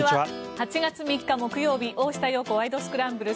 ８月３日、木曜日「大下容子ワイド！スクランブル」。